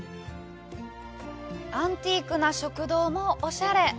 アンティークな食堂もおしゃれ。